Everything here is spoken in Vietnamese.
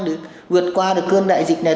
để vượt qua được cơn đại dịch này